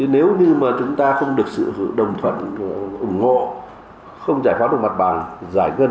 nếu như chúng ta không được sự đồng thuận ủng hộ không giải phóng mặt bành giải ngân